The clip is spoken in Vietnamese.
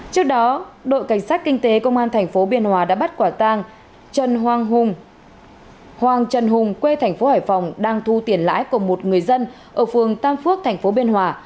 trước đó đội cảnh sát kinh tế công an tp biên hòa đã bắt quả tang trần hoàng hùng quê tp hải phòng đang thu tiền lãi của một người dân ở phường tam phước tp biên hòa